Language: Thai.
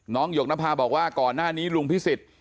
หยกนภาบอกว่าก่อนหน้านี้ลุงพิสิทธิ์